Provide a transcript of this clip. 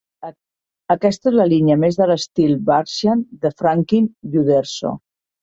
Aquesta és la línia més de l"estil Barksian de Franquin i Uderzo.